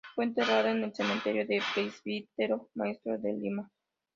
Fue enterrada en el cementerio Presbítero Maestro de Lima.